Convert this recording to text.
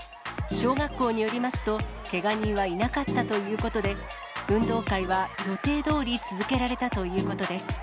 小学校によりますと、けが人はいなかったということで、運動会は予定どおり、続けられたということです。